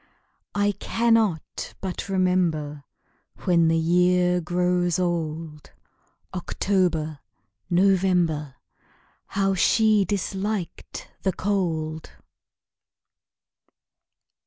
I cannot but remember When the year grows old October November How she disliked the cold!